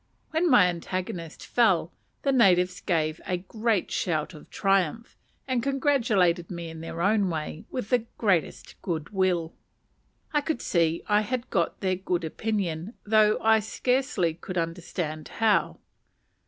When my antagonist fell, the natives gave a great shout of triumph, and congratulated me in their own way with the greatest good will. I could see I had got their good opinion, though I scarcely could understand how.